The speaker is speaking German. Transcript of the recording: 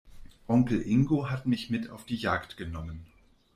Onkel Ingo hat mich mit auf die Jagd genommen.